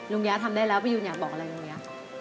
ยะทำได้แล้วพี่ยูนอยากบอกอะไรลุงยะ